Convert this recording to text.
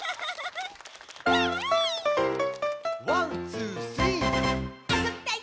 「ワンツースリー」「あそびたい！